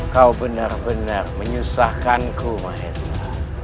kau benar benar menyusahkanku mahesa